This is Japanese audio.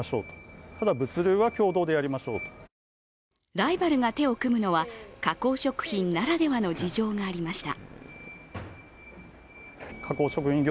ライバルが手を組むのは加工食品ならでの事情がありました。